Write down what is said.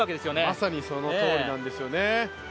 まさにそのとおりなんですよね。